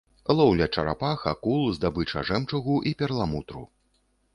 Лоўля чарапах, акул, здабыча жэмчугу і перламутру.